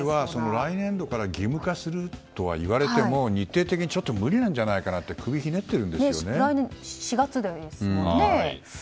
来年度から義務化すると言われても、日程的にちょっと無理なんじゃないかなって首をひねってるんですよね。